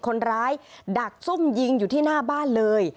ดักซุ่มยิงอยู่ที่หน้าบ้านเลย